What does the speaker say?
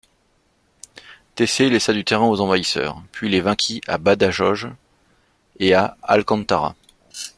Tessé laissa du terrain aux envahisseurs, puis les vainquit à Badajoz et à Alcántara.